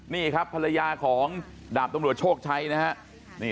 นี่ครับภรรยาของดาบตำรวจโชคชัยนะฮะ